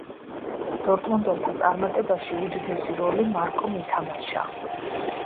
დორტმუნდელთა წარმატებაში უდიდესი როლი მარკომ ითამაშა.